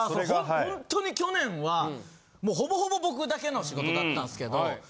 ほんとに去年はもうほぼほぼ僕だけの仕事だったんですけど。